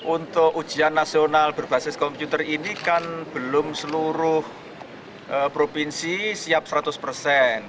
untuk ujian nasional berbasis komputer ini kan belum seluruh provinsi siap seratus persen